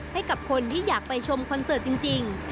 ให้กับคนที่อยากไปชมคอนเสิร์ตจริง